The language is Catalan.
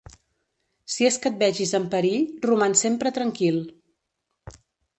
Si és que et vegis en perill, roman sempre tranquil.